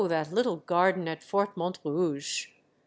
that little garden at Fort Montrouge